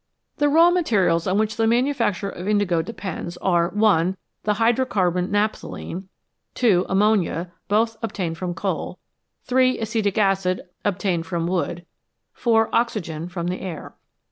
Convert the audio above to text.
The raw materials on which the manufacture of indigo depends are (1) the hydrocarbon naphthalene ; (2) am monia, both obtained from coal ; (3) acetic acid, obtained from wood ; (4) oxygen, from the air.